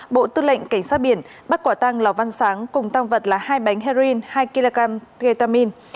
bộ tư lệnh cảnh sát biển bắt quả tăng lò văn sáng cùng tăng vật là hai bánh heroin hai kg ketamine